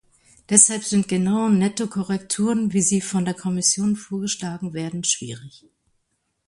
Deshalb sind genaue Nettokorrekturen, wie sie von der Kommission vorgeschlagen werden schwierig.